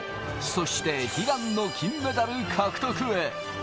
そして悲願の金メダル獲得へ。